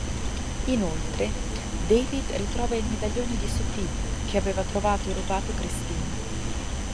Inoltre, David ritrova il medaglione di Sophie, che aveva trovato e rubato Christine.